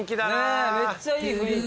めっちゃいい雰囲気。